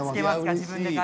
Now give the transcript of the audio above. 自分で。